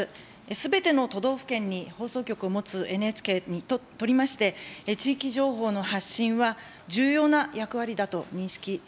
すべての都道府県に放送局を持つＮＨＫにとりまして、地域情報の発信は、重要な役割だと認識しております。